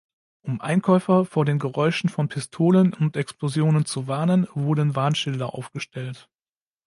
Um Einkäufer vor den Geräuschen von Pistolen und Explosionen zu warnen, wurden Warnschilder aufgestellt.